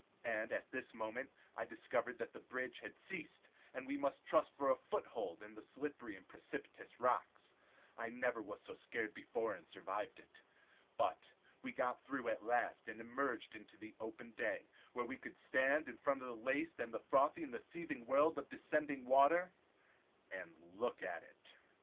And at this moment I discovered that the bridge had ceased, and we must trust for a foothold to the slippery and precipitous rocks. I never was so scared before and survived it. But we got through at last, and emerged into the open day, where we could stand in front of the laced and frothy and seething world of descending water, and look at it.